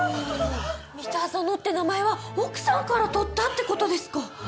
三田園って名前は奥さんからとったって事ですか。